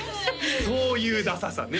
そういうダサさね